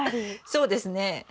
そうですね。